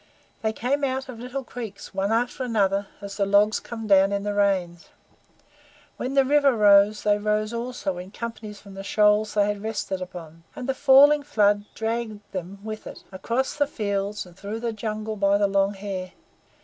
They came out of little creeks one after another, as the logs come down in the Rains. When the river rose they rose also in companies from the shoals they had rested upon; and the falling flood dragged them with it across the fields and through the Jungle by the long hair.